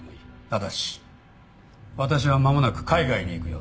ただし私はまもなく海外に行く予定だ。